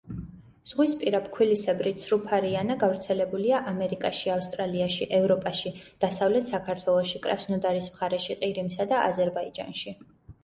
ზღვისპირა ფქვილისებრი ცრუფარიანა გავრცელებულია ამერიკაში, ავსტრალიაში, ევროპაში, დასავლეთ საქართველოში, კრასნოდარის მხარეში, ყირიმსა და აზერბაიჯანში.